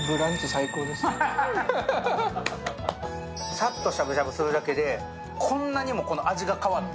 さっとしゃぶしゃぶするだけで、こんなにも味が変わって。